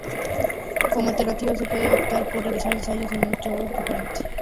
Como alternativa se puede optar por realizar ensayos con un router diferente.